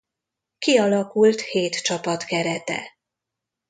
Kialakult hét csapat kerete.